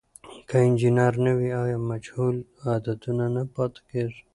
که الجبر نه وي، آیا مجهول عددونه نه پاتیږي؟